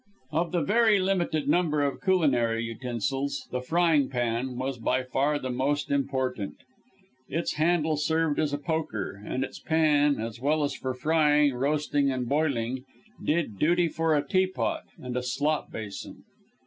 Of the very limited number of culinary utensils, the frying pan was by far the most important. Its handle served as a poker, and its pan, as well as for frying, roasting and boiling, did duty for a teapot and a slop basin.